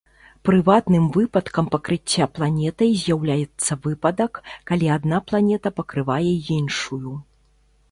Прыватным выпадкам пакрыцця планетай з'яўляецца выпадак, калі адна планета пакрывае іншую.